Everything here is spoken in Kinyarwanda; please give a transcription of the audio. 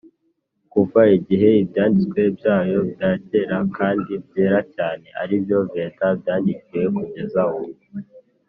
kuva igihe ibyanditswe byabo bya kera (kandi byera cyane) ari byo veda, byandikiwe kugeza ubu.